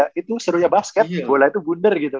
bola itu serunya basket bola itu bunder gitu